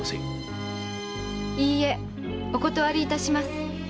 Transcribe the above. いいえお断りいたします。